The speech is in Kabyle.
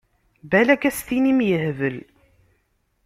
Balak ad s-tinim yehbel.